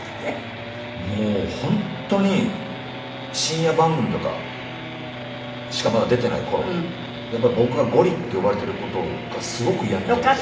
もう本当に深夜番組とかしかまだ出ていない頃やっぱり僕がゴリって呼ばれている事がすごく嫌みたいで。